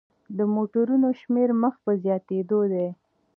د موټرونو شمیر مخ په زیاتیدو دی.